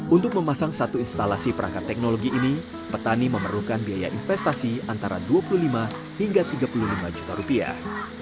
untuk memasang satu instalasi perangkat teknologi ini petani memerlukan biaya investasi antara dua puluh lima hingga tiga puluh lima juta rupiah